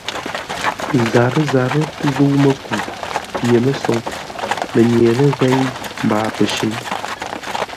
Zarə́-zarə́ zə̂u-mə́ku: pye-mə́soŋ, mənyeləghěi mbaa pəshʉ̌ŋ.